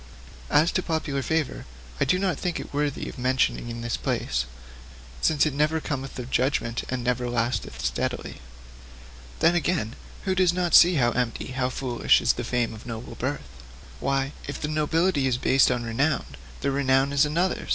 As to popular favour, I do not think it even worthy of mention in this place, since it never cometh of judgment, and never lasteth steadily. 'Then, again, who does not see how empty, how foolish, is the fame of noble birth? Why, if the nobility is based on renown, the renown is another's!